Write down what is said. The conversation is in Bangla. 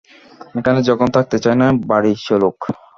এখানে যখন থাকতে চায় না, বাড়িই চলুক।